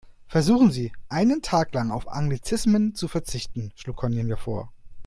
Versuchen Sie, einen Tag lang auf Anglizismen zu verzichten, schlug Cornelia vor.